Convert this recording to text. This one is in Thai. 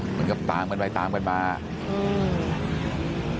เหมือนกับตามกันไปตามกันมาอืม